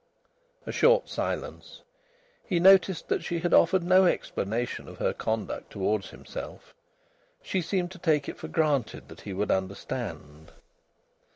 A short silence. He noticed that she had offered no explanation of her conduct towards himself. She seemed to take it for granted that he would understand.